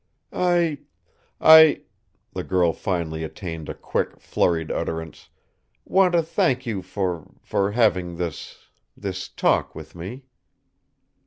"I I," the girl finally attained a quick, flurried utterance, "want to thank you for for having this this talk with me."